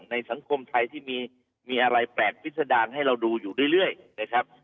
สังคมไทยที่มีอะไรแปลกพิษดารให้เราดูอยู่เรื่อยนะครับ